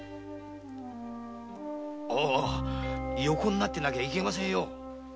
横になってなきゃいけませんよ。